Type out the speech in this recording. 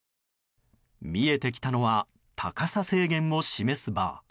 見えてきたのは高さ制限を示すバー。